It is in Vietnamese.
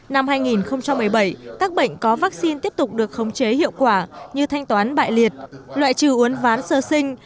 năm hai nghìn một mươi bảy các bệnh có vaccine tiếp tục được khống chế hiệu quả như thanh toán bại liệt loại trừ uốn ván sơ sinh